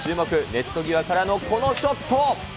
ネット際からのこのショット。